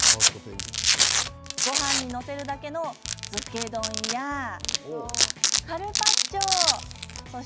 ごはんに載せるだけの漬け丼やカルパッチョ。